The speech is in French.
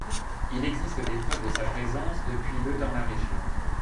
Il existe des preuves de sa présence depuis le dans la région.